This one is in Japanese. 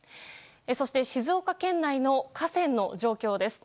そして、静岡県内の河川の状況です。